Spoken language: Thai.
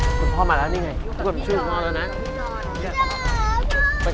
หนูจะหาพ่อหนูจะหาแม่